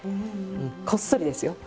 こっそりですよ。